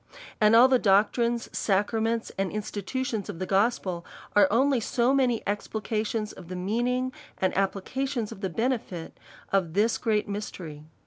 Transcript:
And all the doctrines, sacraments, and institutions of the g'ospel, are only so many explica tions of the meaning , and applications of the benefit of this great mysteiy.